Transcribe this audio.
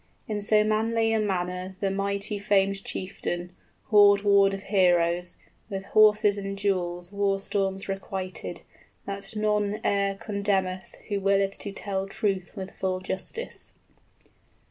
In so manly a manner the mighty famed chieftain, 55 Hoard ward of heroes, with horses and jewels War storms requited, that none e'er condemneth Who willeth to tell truth with full justice.